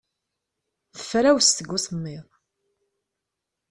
Tefrawes seg usemmiḍ.